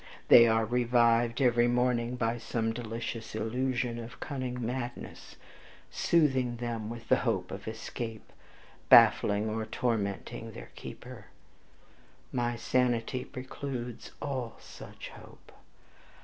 They are revived every morning by some delicious illusion of cunning madness, soothing them with the hope of escaping, baffling or tormenting their keeper; my sanity precludes all such hope.